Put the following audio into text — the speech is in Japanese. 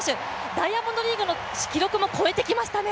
ダイヤモンドリーグの記録も超えてきましたね